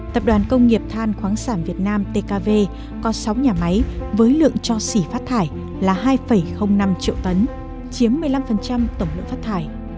tập đoàn công nghiệp than khoáng sản việt nam tkv có sáu nhà máy với lượng cho xỉ phát thải là hai năm triệu tấn chiếm một mươi năm tổng lượng phát thải